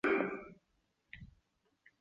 汪恩甲随后找到萧红。